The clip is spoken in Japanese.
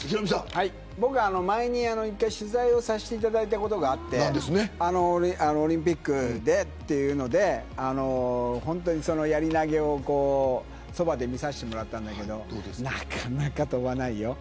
僕は前に１回取材をさせてもらったことがあってオリンピックでというのでやり投げをそばで見させてもらったんだけどなかなか飛ばないよ。